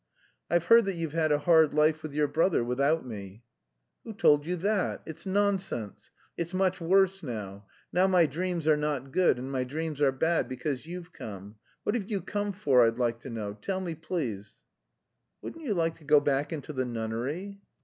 "I've heard that you've had a hard life with your brother without me?" "Who told you that? It's nonsense. It's much worse now. Now my dreams are not good, and my dreams are bad, because you've come. What have you come for, I'd like to know. Tell me please?" "Wouldn't you like to go back into the nunnery?"